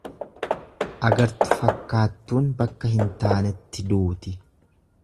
Agartu fakkaattuun bakka hin taanetti duuti.